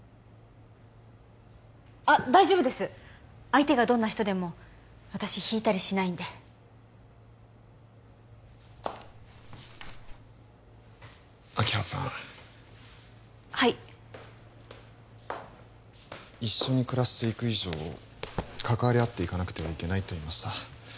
あっ大丈夫です相手がどんな人でも私引いたりしないんで明葉さんはい一緒に暮らしていく以上関わり合っていかなくてはいけないと言いました